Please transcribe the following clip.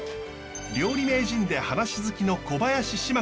料理名人で話好きの小林しま子さん。